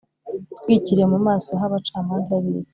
itwikiriye mu maso h’abacamanza b’isi